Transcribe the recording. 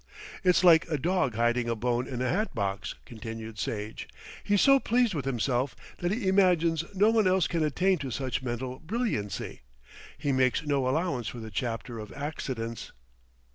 "It's like a dog hiding a bone in a hat box," continued Sage. "He's so pleased with himself that he imagines no one else can attain to such mental brilliancy. He makes no allowance for the chapter of accidents."